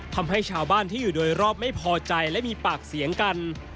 ทำให้ชาวบ้านที่อยู่โดยรอบไม่พอใจและมีปากเสียงกัน